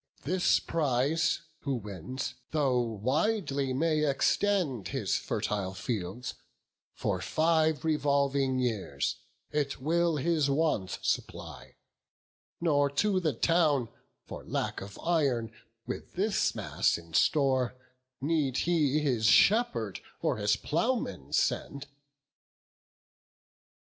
This prize who wins, though widely may extend His fertile fields, for five revolving years It will his wants supply; nor to the town For lack of iron, with this mass in store, Need he his shepherd or his ploughman send."